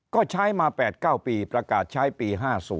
ก็ใช้มา๘๙ปีประกาศใช้ปี๕๐